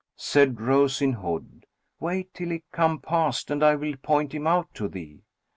Said Rose in Hood, "Wait till he come past and I will point him out to thee."